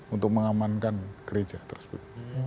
untuk mengamankan gereja tersebut